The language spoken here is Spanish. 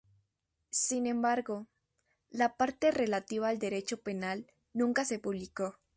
Sin embargo, la parte relativa al Derecho Penal nunca se publicó.